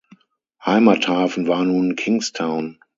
Heimathafen war nun Kingstown.